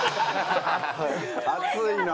熱いな。